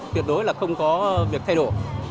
tuyệt đối là không có việc thay đổi